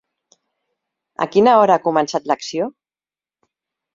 A quina hora ha començat l'acció?